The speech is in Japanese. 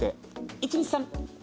１、２、３。